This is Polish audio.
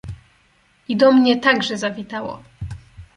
"I do mnie także zawitało."